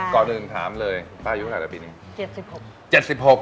ก่อนหนึ่งถามเลยป้ายุเมื่อกี่ปีนี้